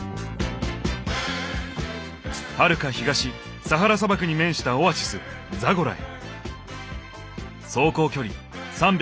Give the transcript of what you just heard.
はるか東サハラ砂漠に面したオアシスザゴラへ。